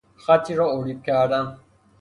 خطی را اریب کردن